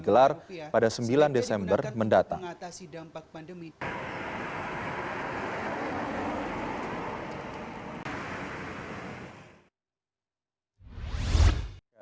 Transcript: digelar pada sembilan desember mendatang